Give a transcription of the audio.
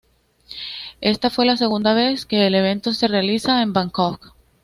Esta fue la segunda vez que el evento se realiza en Bangkok.